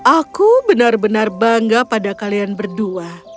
aku benar benar bangga pada kalian berdua